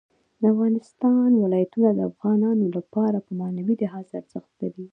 د افغانستان ولايتونه د افغانانو لپاره په معنوي لحاظ ارزښت لري.